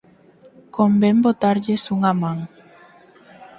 Convén botarlles unha man.